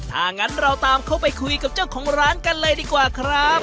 ถ้างั้นเราตามเขาไปคุยกับเจ้าของร้านกันเลยดีกว่าครับ